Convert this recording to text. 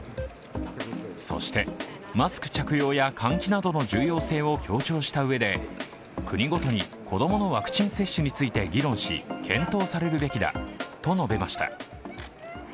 そして、マスク着用や換気などの重要性を強調したうえで国ごとに子供のワクチン接種について議論し検討されるべきだと述べました。